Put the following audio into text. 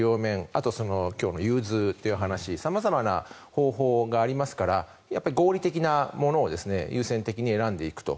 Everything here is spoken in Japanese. あと、今日の融通という話様々な方法がありますから合理的なものを優先的に選んでいくと。